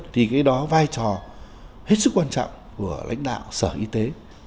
thì cái đó vai trò hết sức quan trọng của lãnh đạo sở y tế